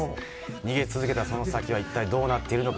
逃げ続けたその先は、一体どうなっているのか。